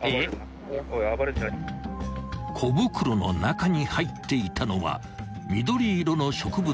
［小袋の中に入っていたのは緑色の植物片］